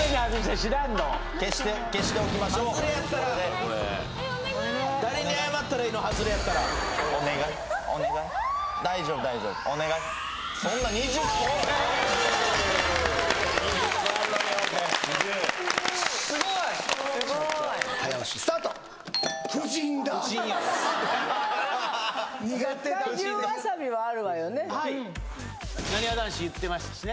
はいなにわ男子言ってましたしね